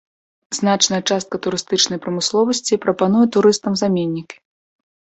Значная частка турыстычнай прамысловасці прапануе турыстам заменнікі.